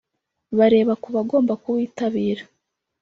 bareba ku bagomba kuwitabira